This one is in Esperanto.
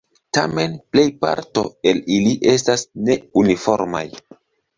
Tamen plejparto el ili estas ne uniformaj.